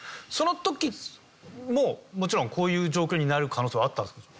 その時ももちろんこういう状況になる可能性はあったんですか？